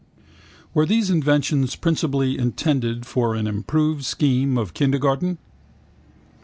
Were these inventions principally intended for an improved scheme of kindergarten?